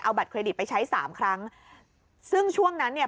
บัตรเครดิตไปใช้สามครั้งซึ่งช่วงนั้นเนี่ย